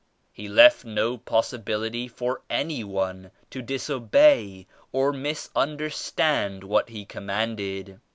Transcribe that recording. He left no possibility for any one to disobey or misunderstand what He commanded.